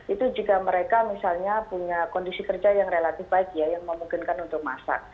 itu jika mereka misalnya punya kondisi kerja yang relatif baik ya yang memungkinkan untuk masak